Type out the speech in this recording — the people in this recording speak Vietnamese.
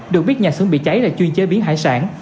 được biết nhà xưởng bị cháy là chuyên chế biến hải sản